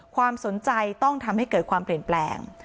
ความสนใจต้องทำให้เกิดความเปลี่ยนแปลง